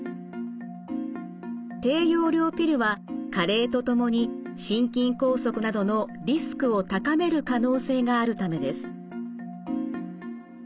低用量ピルは加齢とともに心筋梗塞などのリスクを高める可能性があるためです。